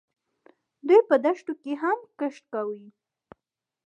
دوی په دښتو کې هم کښت کوي.